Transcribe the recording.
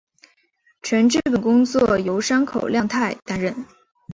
全剧本工作由山口亮太担任。